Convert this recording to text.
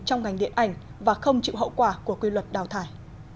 trong ngành điện ảnh và không chịu hậu quả của quy luật đào thải